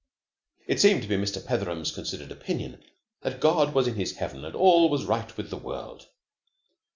It seemed to be Mr. Petheram's considered opinion that God was in His Heaven and all was right with the world.